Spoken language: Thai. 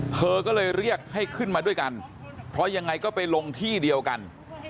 เธอก็เลยเรียกให้ขึ้นมาด้วยกันเพราะยังไงก็ไปลงที่เดียวกัน